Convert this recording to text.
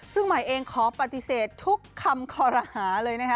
ซึ่งใหม่เองขอปฏิเสธทุกคำคอรหาเลยนะคะ